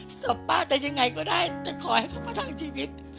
ศพป้าจะยังไงก็ได้จะขอให้เขามาทางชีวิต